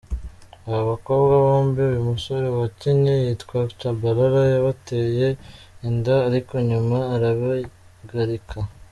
Aba bakobwa bombi uyu musore wakinnye yitwa Chabalala yabateye inda ariko nyuma arabigarika.